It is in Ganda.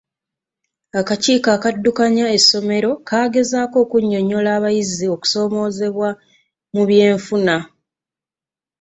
Akakiiko akaddukanya essomero kaagezaako okunnyonnyola abayizi okuzoomoozebwa mu byenfuna.